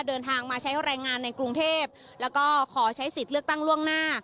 เดินทางมาใช้แรงงานในกรุงเทพแล้วก็ขอใช้สิทธิ์เลือกตั้งล่วงหน้า